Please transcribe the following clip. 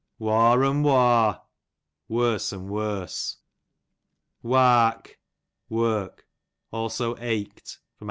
War and war, worse and ivorse. Wark, work; also ached. A.